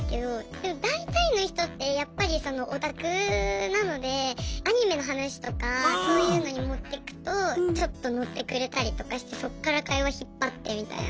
でも大体の人ってやっぱりそのオタクなのでアニメの話とかそういうのに持ってくとちょっと乗ってくれたりとかしてそっから会話引っ張ってみたいな。